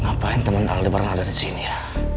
ngapain temen alde pernah ada disini ya